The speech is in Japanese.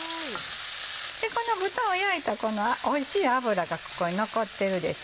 この豚を焼いたこのおいしい油がここに残ってるでしょ。